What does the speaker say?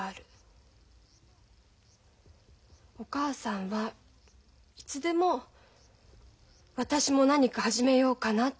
お母さんはいつでも「私も何か始めようかな」って言ってる。